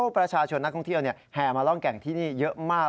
ประชาชนนักท่องเที่ยวแห่มาร่องแก่งที่นี่เยอะมาก